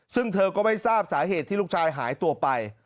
ซึ่งเธอก็ไม่ทราบสาเหตุที่ลูกชายหายตัวไป